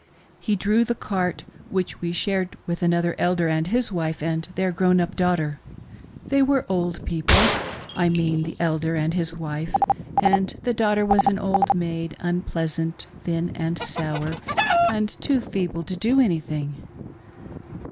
He drew the cart which we shared with another Elder and his wife and their grown up daughter. They were old people — I mean the Elder and his wife — and the daughter was an old maid, unpleasant, thin, and sour, and too feeble to do anything.